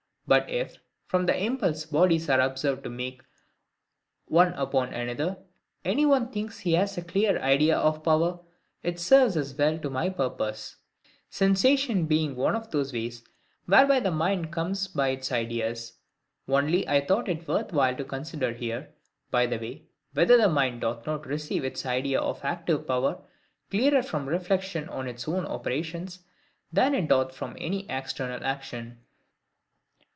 But if, from the impulse bodies are observed to make one upon another, any one thinks he has a clear idea of power, it serves as well to my purpose; sensation being one of those ways whereby the mind comes by its ideas: only I thought it worth while to consider here, by the way, whether the mind doth not receive its idea of active power clearer from reflection on its own operations, than it doth from any external sensation.